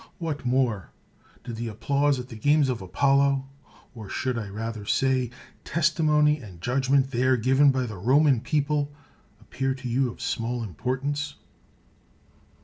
What more? Did the applause at the games of Apollo, or, I should rather say, testi mony and judgment there given by the Roman people, appear to you of small importance